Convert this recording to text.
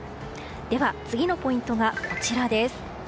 では、次のポイントがこちらです。